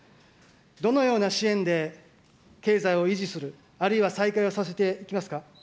どのような支援で経済を維持する、あるいは再開をさせていきますか。